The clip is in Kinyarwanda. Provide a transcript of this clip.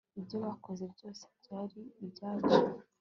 Ibyo bakoze byose byari ibyacu